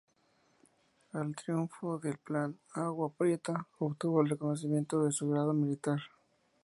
Al triunfo del Plan de Agua Prieta, obtuvo el reconocimiento de su grado militar.